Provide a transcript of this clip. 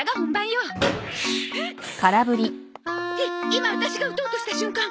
今アタシが打とうとした瞬間